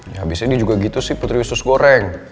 ya abisnya dia juga gitu sih putri usus goreng